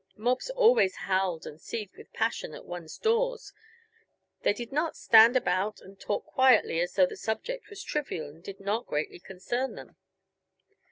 Mobs always "howled and seethed with passion" at one's doors; they did not stand about and talk quietly as though the subject was trivial and did not greatly concern them.